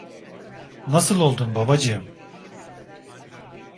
Nasıl oldun babacığım?